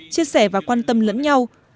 chia sẻ và quan tâm lẫn nhau